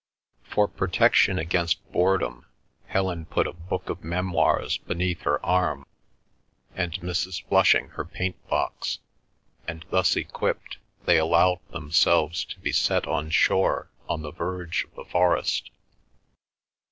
For protection against boredom, Helen put a book of memoirs beneath her arm, and Mrs. Flushing her paint box, and, thus equipped, they allowed themselves to be set on shore on the verge of the forest.